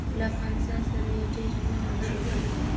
له افغانستان سره یې ډېره مینه وښودله.